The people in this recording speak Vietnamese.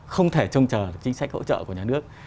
không thể trông chờ chính sách hỗ trợ của nhà nước